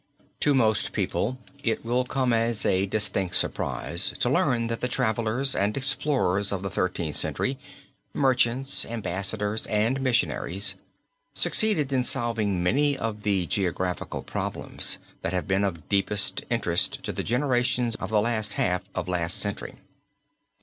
To most people it will come as a distinct surprise to learn that the travelers and explorers of the Thirteenth Century merchants, ambassadors, and missionaries succeeded in solving many of the geographical problems that have been of deepest interest to the generations of the last half of last century.